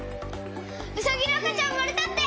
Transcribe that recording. ウサギのあかちゃんうまれたって！